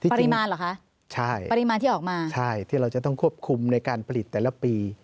ปริมาณเหรอคะใช่ปริมาณที่ออกมาใช่ที่เราจะต้องควบคุมในการผลิตแต่ละปี